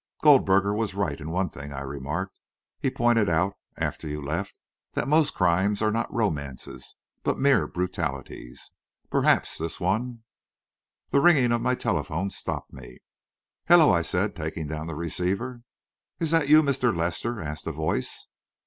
"Goldberger was right in one thing," I remarked. "He pointed out, after you left, that most crimes are not romances, but mere brutalities. Perhaps this one " The ringing of my telephone stopped me. "Hello," I said, taking down the receiver. "Is that you, Mr. Lester?" asked a voice.